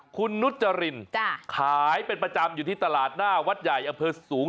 คุณนุจรินขายเป็นประจำอยู่ที่ตลาดหน้าวัดใหญ่อำเภอสูง